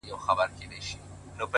• ما به شپېلۍ ږغول,